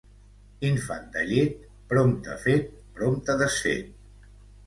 Infant de llet, prompte fet, prompte desfet.